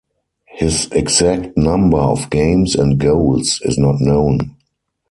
His exact number of games and goals is not known.